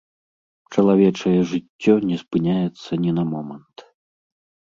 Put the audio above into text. Чалавечае жыццё не спыняецца ні на момант.